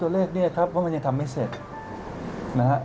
ตัวเลขเนี่ยครับเพราะมันยังทำไม่เสร็จนะฮะ